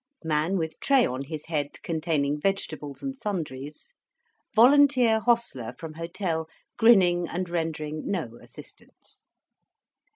Man with Tray on his head, containing Vegetables and Sundries. Volunteer Hostler from Hotel, grinning, And rendering no assistance.